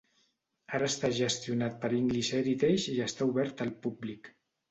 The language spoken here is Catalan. Ara està gestionat per English Heritage i està obert al públic.